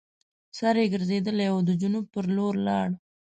سر یې ګرځېدلی وو د جنوب پر لور لاړ.